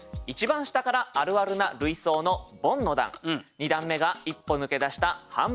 ２段目が一歩抜け出した半ボン。